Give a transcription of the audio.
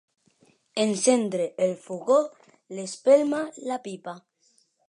Encendre el fogó, l'espelma, la pipa.